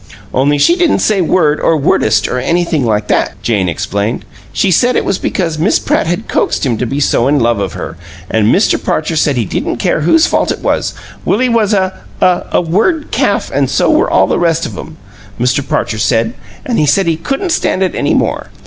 "Only she didn't say word or wordest or anything like that," Jane explained. "She said it was because Miss Pratt had coaxed him to be so in love of her, an' Mr. Parcher said he didn't care whose fault it was, Willie was a a word calf an' so were all the rest of 'em, Mr. Parcher said. An' he said he couldn't stand it any more.